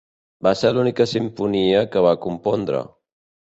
Va ser l'única simfonia que va compondre.